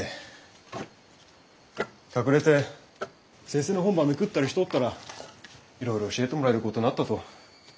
隠れて先生の本ばめくったりしとったらいろいろ教えてもらえるごとなったと。